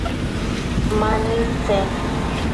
Ma nëid tsen ?